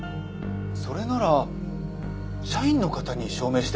それなら社員の方に証明してもらえますね。